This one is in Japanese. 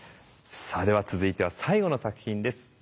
さあでは続いては最後の作品です。